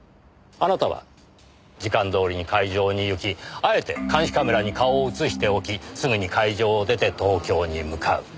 あなたは時間どおりに会場に行きあえて監視カメラに顔を映しておきすぐに会場を出て東京に向かう。